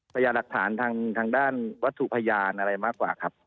พยายามหลักฐานทางด้านวัตถุพยานอะไรมากกว่าครับ